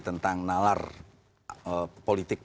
tentang nalar politik